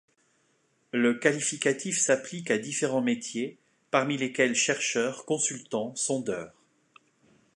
Le qualificatif s'applique à différents métiers, parmi lesquels chercheur, consultant, sondeur.